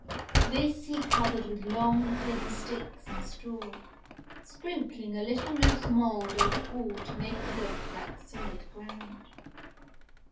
This he covered with long thin sticks and straw, sprinkling a little loose mould over all to make it look like solid ground.